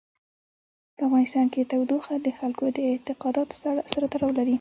په افغانستان کې تودوخه د خلکو د اعتقاداتو سره تړاو لري.